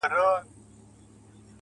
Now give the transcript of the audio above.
بس ده د خداى لپاره زړه مي مه خوره.